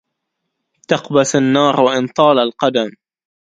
تقبس النار وإن طال القدم